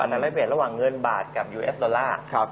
อัตราแรกเปลี่ยนระหว่างเงินบาทกับยูเอสดอลลาร์